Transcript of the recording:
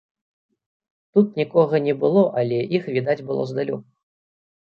Тут нікога не было, але іх відаць было здалёку.